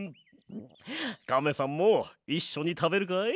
カメさんもいっしょにたべるかい？